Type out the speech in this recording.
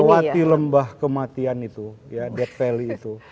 melewati lembah kematian itu ya dead valley itu